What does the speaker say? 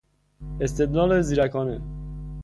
استدلال زیرکانه